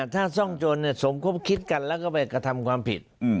ถ้าซ่องจนสมคบคิดกันแล้วก็ไปกระทำความผิด